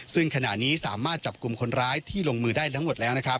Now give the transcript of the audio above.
ซึ่งขณะนี้สามารถจับกลุ่มคนร้ายที่ลงมือได้ทั้งหมดแล้วนะครับ